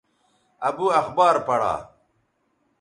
ابو اخبار پڑا